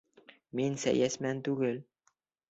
Мин сәйәсмән түгел.